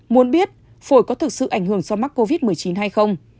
muốn biết phổi có thực sự ảnh hưởng so với covid một mươi chín hay không